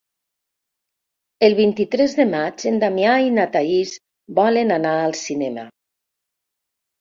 El vint-i-tres de maig en Damià i na Thaís volen anar al cinema.